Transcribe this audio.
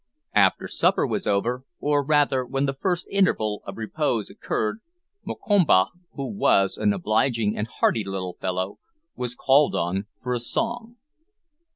After supper was over, or rather when the first interval of repose occurred, Mokompa, who was an obliging and hearty little fellow, was called on for a song.